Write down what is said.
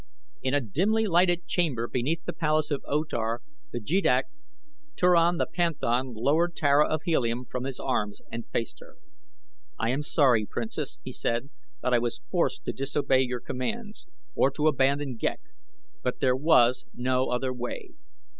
In a dimly lighted chamber beneath the palace of O Tar the jeddak, Turan the panthan lowered Tara of Helium from his arms and faced her. "I am sorry, Princess," he said, "that I was forced to disobey your commands, or to abandon Ghek; but there was no other way.